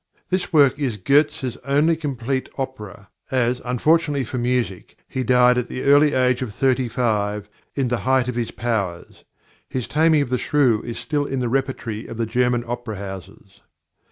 This work is Goetz's only complete opera, as, unfortunately for music, he died at the early age of thirty five, in the height of his powers. His Taming of the Shrew is still in the repertory of the German opera houses.